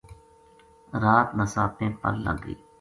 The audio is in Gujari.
رات نساپے پَل لگ گئی